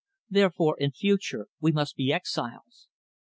Therefore, in future we must be exiles."